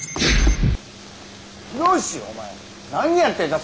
ヒロシお前何やってんだ？